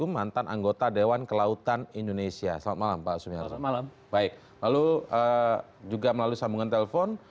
lalu juga melalui sambungan telepon